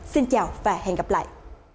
xin chào và hẹn gặp lại